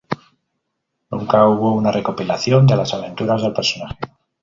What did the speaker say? Nunca hubo una recopilación de las aventuras del personaje.